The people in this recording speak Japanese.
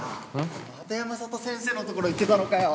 また山里先生のところ行ってたのかよ。